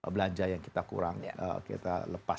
belanja yang kita kurang kita lepas